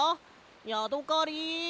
ヤドカリ！